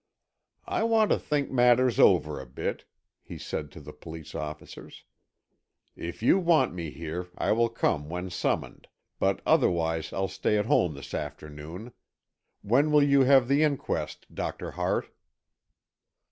"I want to think matters over a bit," he said to the police officers. "If you want me here, I will come when summoned, but otherwise I'll stay at home this afternoon. When will you have the inquest, Doctor Hart?"